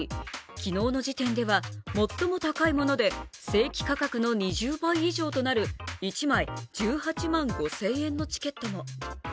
昨日の時点では最も高いもので正規価格の２０倍以上となる１枚、１８万５０００円のチケットも。